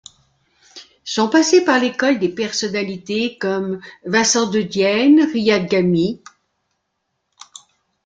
Sont passés par l'école des personnalités comme Vincent Dedienne, Riad Ghami...